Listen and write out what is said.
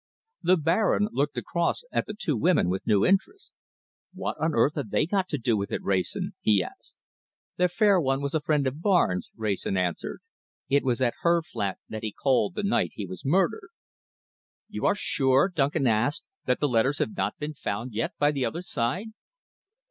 The Baron looked across at the two women with new interest. "What on earth have they got to do with it, Wrayson?" he asked. "The fair one was a friend of Barnes'," Wrayson answered. "It was at her flat that he called the night he was murdered." "You are sure," Duncan asked, "that the letters have not been found yet by the other side?"